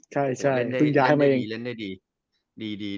ใช่เล่นได้ดี